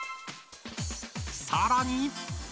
さらに。